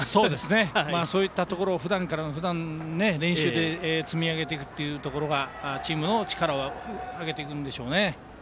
そういったところをふだんの練習から積み上げていくことがチームの力を上げていくんでしょうね。